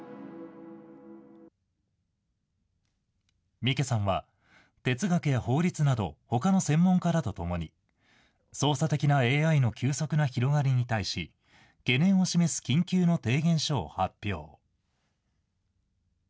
ミケさんは、哲学や法律など、ほかの専門家らと共に、操作的なＡＩの急速な広がりに対し、懸念を示す緊急の提言書を発表。